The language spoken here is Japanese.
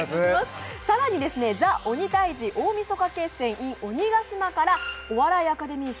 さらに「ＴＨＥ鬼タイジ大晦日決戦ｉｎ鬼ヶ島」からお笑いアカデミー賞